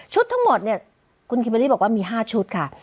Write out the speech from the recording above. ทั้งหมดเนี่ยคุณคิมเบอร์รี่บอกว่ามี๕ชุดค่ะ